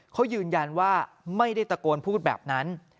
เขายืนยันว่าไม่ได้ตะโกนพูดแบบนั้น